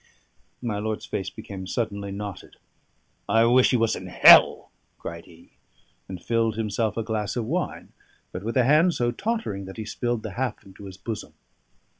My lord's face became suddenly knotted. "I wish he was in hell!" cried he, and filled himself a glass of wine, but with a hand so tottering that he spilled the half into his bosom.